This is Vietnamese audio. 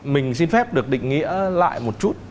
mình xin phép được định nghĩa lại một chút